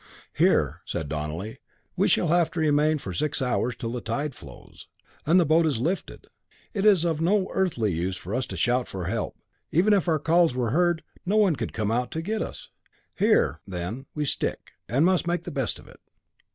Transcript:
"Here," said Donelly, "we shall have to remain for six hours till the tide flows, and the boat is lifted. It is of no earthly use for us to shout for help. Even if our calls were heard, no one could come out to us. Here, then, we stick and must make the best of it.